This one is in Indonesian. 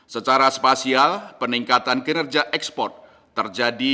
secara spasial peningkatan kinerja ekspor terjadi